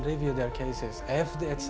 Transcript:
mereka akan meneliti kes mereka